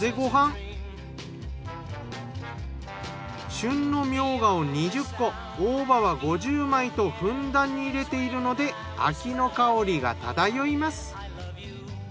旬のみょうがを２０個大葉は５０枚とふんだんに入れているので秋の香りが漂います。